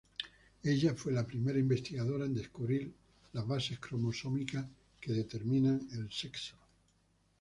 Ella fue la primera investigadora en describir las bases cromosómicas que determinan el sexo.